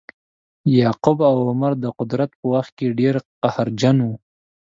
یعقوب او عمرو د قدرت په وخت کې ډیر قهرجن وه.